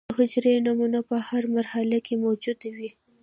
د حجرې د نمو په هره مرحله کې موجود وي.